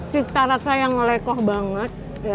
cita rasa yang melekoh banget ya